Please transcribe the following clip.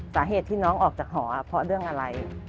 สาเหตุที่น้องออกจากหอเพราะเรื่องอะไร